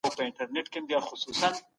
ازاد بازار د سرمایه دارۍ لوی ارمان ګڼل کیږي.